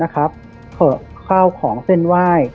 ทะเข้าของเส้นไหว้